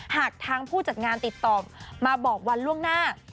หากทางผู้จัดงานติดต่อมาบอกวันล่วงหน้า